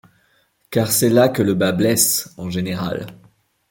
Car c'est là que le bât blesse en général.